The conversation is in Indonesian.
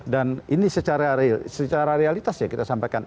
dan ini secara realitas ya kita sampaikan